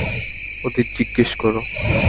ওদের জিজ্ঞেস করো।